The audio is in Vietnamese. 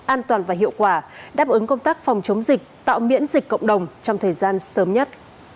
an toàn và hiệu quả đáp ứng công tác phòng chống dịch tạo miễn dịch cộng đồng trong thời gian sớm nhất